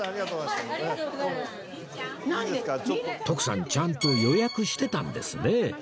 徳さんちゃんと予約してたんですね